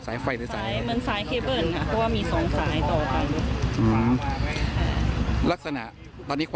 ใหญ่มาก